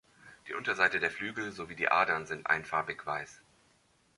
Die Unterseite der Flügel sowie die Adern sind einfarbig weiß.